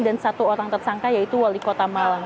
dan satu orang tersangka yaitu wali kota malang